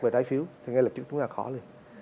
về trái phiếu thì ngay lập trực chúng ta khó lên